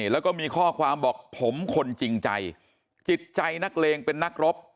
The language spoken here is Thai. แล้วก็มีข้อความบอกผมคนจริงใจจิตใจนักเลงเป็นนักรบ